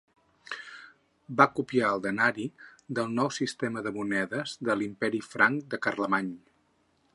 Va copiar el "denari" del nou sistema de monedes de l"imperi franc de Carlemany.